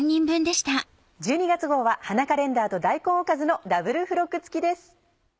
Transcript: １２月号は「花カレンダー」と「大根おかず」のダブル付録付きです。